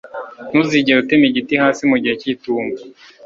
ntuzigere utema igiti hasi mugihe cy'itumba